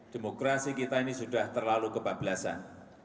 demokrasi kita ini sudah terlalu kebablasan